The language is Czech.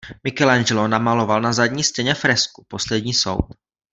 Michelangelo namaloval na zadní stěně fresku "Poslední soud".